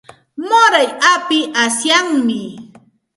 Muray api asyami.